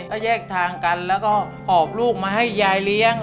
ก็แยกทางกันแล้วก็หอบลูกมาให้ยายเลี้ยง